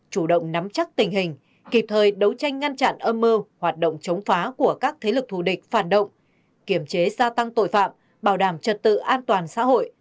chủ động nắm chắc tình hình kịp thời đấu tranh ngăn chặn âm mơ hoạt động chống phá của các thế lực thù địch phản động kiểm chế gia tăng tội phạm bảo đảm trật tự an toàn xã hội